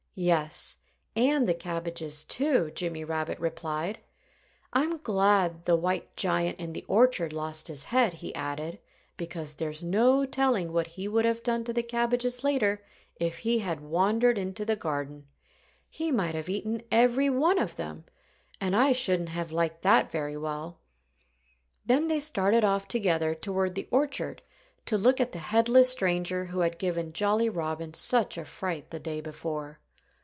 "Yes and the cabbages, too," Jimmy Rabbit replied. "I'm glad the white giant in the orchard lost his head," he added, "because there's no telling what he would have done to the cabbages later, if he had wandered into the garden. He might have eaten every one of them. And I shouldn't have liked that very well." Then they started off together toward the orchard to look at the headless stranger who had given Jolly Robin such a fright the day before.